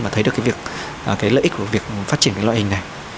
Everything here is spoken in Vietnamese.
và thấy được cái lợi ích của việc phát triển cái loại hình này